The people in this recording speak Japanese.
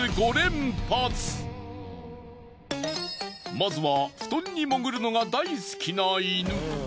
まずは布団にもぐるのが大好きな犬。